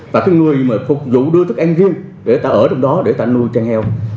và người phục vụ đưa thức ăn riêng để ta ở trong đó để ta nuôi trang heo